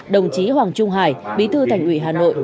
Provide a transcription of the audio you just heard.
đồng chí hoàng trung hải bí thư thành ủy hà nội